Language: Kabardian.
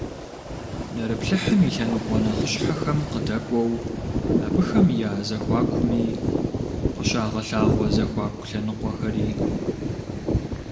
Нэрыплъыхьым и лъэныкъуэ нэхъыщхьэхэм къыдэкӀуэу абыхэм я зэхуакуми къыщагъэлъагъуэ зэхуаку лъэныкъуэхэри.